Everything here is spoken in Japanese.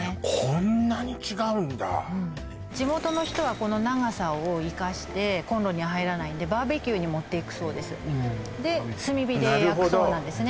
こんなに違うんだ地元の人はこの長さを生かしてコンロには入らないんでバーベキューに持っていくそうですで炭火で焼くそうなんですね